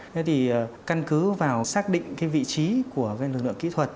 thế thì căn cứ vào xác định vị trí của lực lượng kỹ thuật